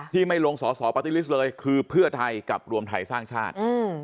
ไม่ลงสอสอปาร์ตี้ลิสต์เลยคือเพื่อไทยกับรวมไทยสร้างชาติ